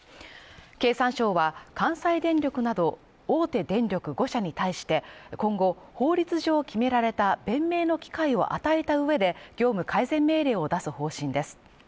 経産省は、関西電力など大手電力５社に対して、今後、法律上決められた弁明の機会を与えた上で、業務改善命令を出す方針です。